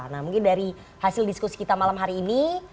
nah mungkin dari hasil diskusi kita malam hari ini